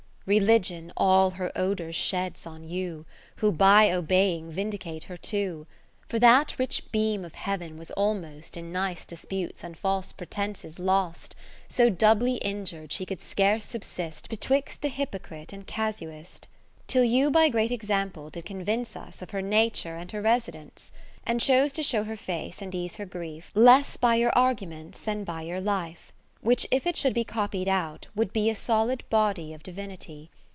Religion all her odours sheds on you, Who by obeying vindicate her too : For that rich beam of Heaven was almost In nice disputes and false pretences lost ; 40 , So doubly injur'd, she could scarce subsist Betwixt the hypocrite and casuist ; Till you by great example did con vince Us of her nature and her residence. And chose to show her face, and ease her grief, Less by your arguments than by your life ; Which if it should be copied out, would be A solid body of divinity.